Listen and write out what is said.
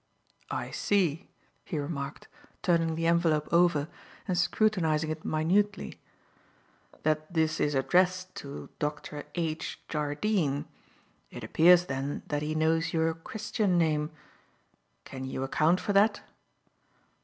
"I see," he remarked, turning the envelope over and scrutinizing it minutely, "that this is addressed to 'Dr. H. Jardine.' It appears, then, that he knows your Christian name. Can you account for that?"